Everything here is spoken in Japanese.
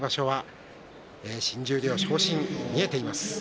来場所は新十両昇進を見えています。